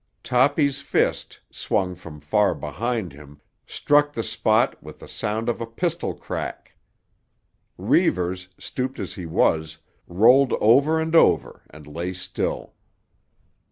Toppy's fist, swung from far behind him, struck the spot with the sound of a pistol crack. Reivers, stooped as he was, rolled over and over and lay still.